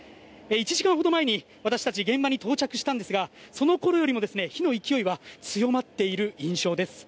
１時間ほど前に私たちは現場に到着したんですがそのころよりも火の勢いは強まっている印象です。